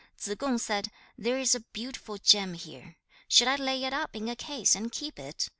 Tsze kung said, 'There is a beautiful gem here. Should I lay it up in a case and keep it?